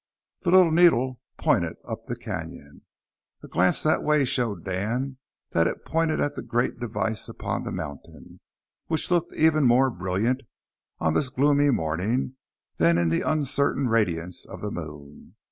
The little needle pointed up the canyon. A glance that way showed Dan that it pointed at the great device upon the mountain, which looked even more brilliant on this gloomy morning than in the uncertain radiance of the moon.